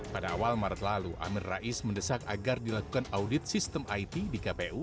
pada awal maret lalu amin rais mendesak agar dilakukan audit sistem it di kpu